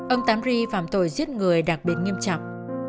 ông tám ri phạm tội giết người đặc biệt nghiêm trọng